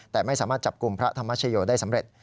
แต่ไม่สามารถจับกลุ่มพระธรรมชโยได้สำเร็จ